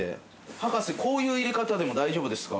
博士、こういう入れ方でも大丈夫ですか？